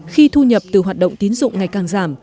khi thu nhập từ hoạt động tín dụng ngày càng giảm